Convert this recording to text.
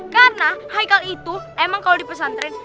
karena haikal itu emang kalau dipesantren